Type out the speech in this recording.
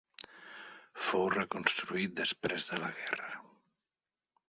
Fou reconstruït després de la guerra.